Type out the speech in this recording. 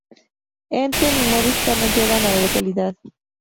Entel y Movistar no llegan a la localidad.